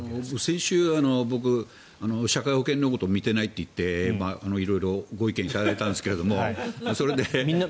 先週、僕社会保険料のことを見てないと言って色々、ご意見頂いたんですが。